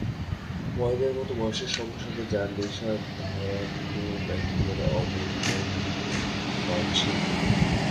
ওয়াইনের মতো বয়সের সঙ্গে সঙ্গে যাঁর নেশা ধরানো ব্যাটিংয়ের আবেদন বাড়ছেই কেবল।